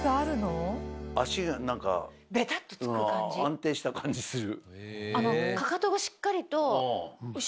安定した感じする。